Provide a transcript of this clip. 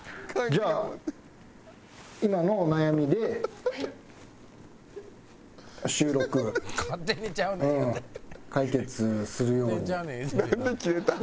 じゃあ今のお悩みで収録解決するように。